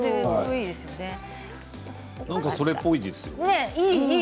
何かそれっぽいですよね。